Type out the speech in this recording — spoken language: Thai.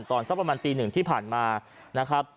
สักประมาณตีหนึ่งที่ผ่านมานะครับ